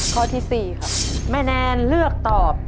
ข้อที่๔ครับแม่แนนเลือกตอบ